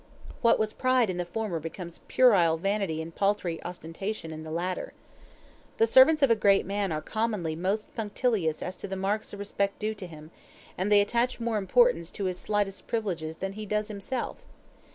What was pride in the former becomes puerile vanity and paltry ostentation in the latter. The servants of a great man are commonly most punctilious as to the marks of respect due to him, and they attach more importance to his slightest privileges than he does himself.